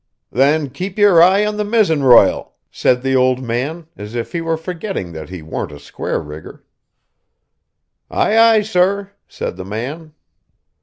"Then keep your eye on the mizzen royal," said the old man, as if he were forgetting that we weren't a square rigger. "Ay, ay, sir," said the man.